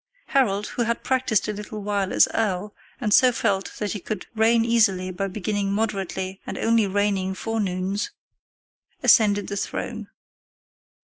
Harold, who had practised a little while as earl, and so felt that he could reign easily by beginning moderately and only reigning forenoons, ascended the throne.